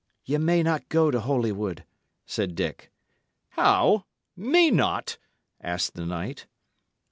"Ye may not go to Holywood," said Dick. "How! May not?" asked the knight.